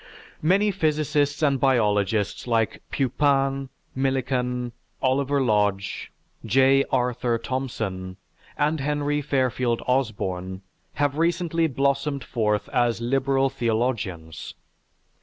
"Many physicists and biologists like Pupin, Millikan, Oliver Lodge, J. Arthur Thomson, and Henry Fairfield Osborn, have recently blossomed forth as liberal theologians.